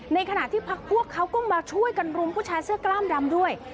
ในขณะที่พักพวกเขาก็มาช่วยกันรุมผู้ชายเสื้อกล้ามดำด้วย